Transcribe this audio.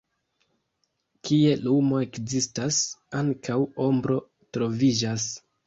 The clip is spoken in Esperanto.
Kie lumo ekzistas, ankaŭ ombro troviĝas.